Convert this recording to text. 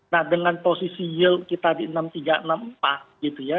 nah dengan posisi yield kita di enam tiga enam empat gitu ya